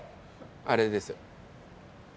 あれですよ。